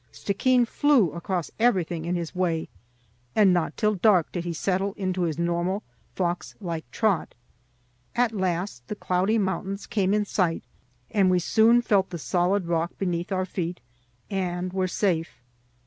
Stickeen flew across everything in his way, and not till dark did he settle into his normal fox like trot. At last the cloudy mountains came in sight, and we soon felt the solid rock beneath our feet, and were safe.